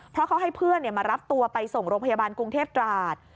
เพราะเขาให้เพื่อนมารับตัวไปส่งโรงพยาบาลกรุงเทพตราด